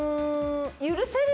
許せる。